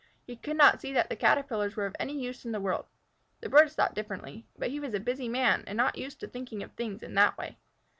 He could not see that the Caterpillars were of any use in the world. The birds thought differently, but he was a busy Man and not used to thinking of things in that way.